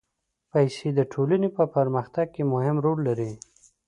پېسې د ټولنې په پرمختګ کې مهم رول لري.